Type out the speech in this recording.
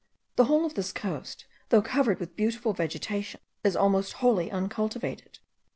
The whole of this coast, though covered with beautiful vegetation, is almost wholly uncultivated.